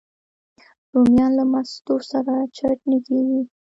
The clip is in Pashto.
رومیان له مستو سره چټني کېږي